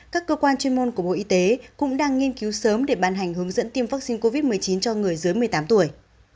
các cơ quan chuyên môn của bộ y tế cũng đang nghiên cứu sớm để ban hành hướng dẫn tiêm vaccine covid một mươi chín cho người dưới một mươi tám tuổi